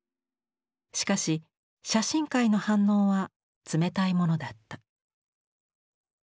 しかし写真界の反応は冷たいものだった。